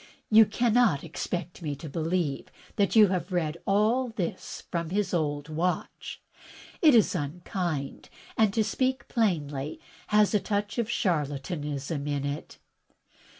You cannot expect me to believe that you have read all this from his old watch! It is unkind, and to speak plainly, has a touch of charlatanism in it."